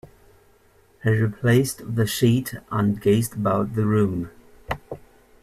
He replaced the sheet and gazed about the room.